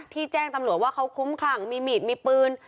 แจ้งตำรวจว่าเขาคุ้มคลั่งมีมีดมีปืน